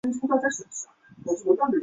将成为钱江新城的地标性建筑。